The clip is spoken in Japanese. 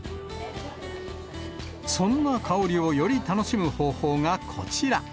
そんな香りをより楽しむ方法がこちら。